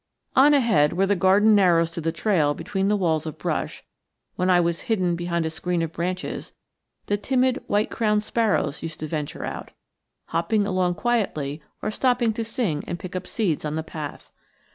On ahead, where the garden narrows to the trail between the walls of brush, when I was hidden behind a screen of branches, the timid white crowned sparrows used to venture out, hopping along quietly or stopping to sing and pick up seeds on the path.